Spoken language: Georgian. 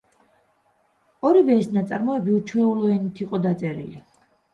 ორივე ეს ნაწარმოები უჩვეულო ენით იყო დაწერილი.